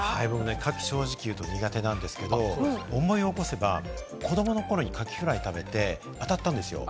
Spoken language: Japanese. カキ、正直に言うと苦手なんですけれど、思い起こせば、子どもの頃にカキフライ食べて、あたったんですよ。